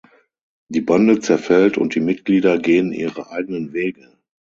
Die Bande zerfällt und die Mitglieder gehen ihre eigenen Wege.